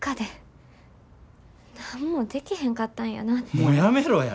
もうやめろや！